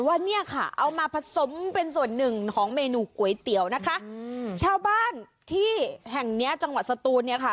ว่าเนี่ยค่ะเอามาผสมเป็นส่วนหนึ่งของเมนูก๋วยเตี๋ยวนะคะอืมชาวบ้านที่แห่งเนี้ยจังหวัดสตูนเนี่ยค่ะ